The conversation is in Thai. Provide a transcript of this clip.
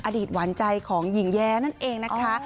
อดีตหวานใจของหญิงแย้นั่นเองนะคะ